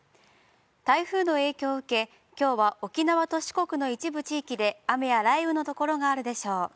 台風の影響を受け、きょうは、沖縄と四国の一部地域で、雨や雷雨のところがあるでしょう。